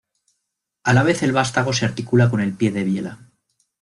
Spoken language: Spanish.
A la vez el vástago se articula con el pie de biela.